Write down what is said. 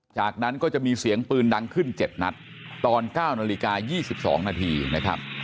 จากนั้นก็จะมีเสียงปืนดังขึ้น๗นัดตอน๙นาฬิกา๒๒นาทีนะครับ